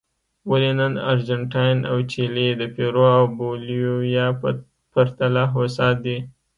ولې نن ارجنټاین او چیلي د پیرو او بولیویا په پرتله هوسا دي.